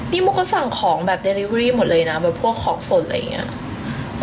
นี่มุกเขาสั่งของแบบเดริเวอรี่หมดเลยนะแบบพวกของสดอะไรอย่างนี้